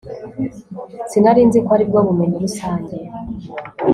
sinari nzi ko aribwo bumenyi rusange